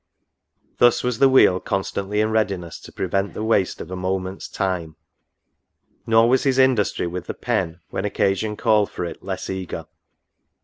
— Thus, was the wheel constantly in readiness to prevent the waste of a moment's time. Nor was his industry with the pen, when occasion called for it, less eager.